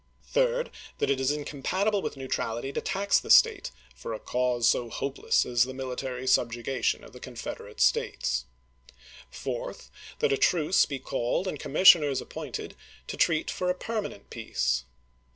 Third, That it is in compatible with neutrality to tax the State " for a KENTUCKY 243 cause so hopeless as the military subjugation of chap. xii. the Confederate States." Fourth, That a truce be called and commissioners appointed to treat for a permanent peace.